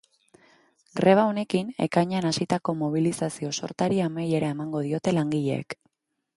Greba honekin, ekainean hasitako mobilizazio sortari amaiera emango diote langileek.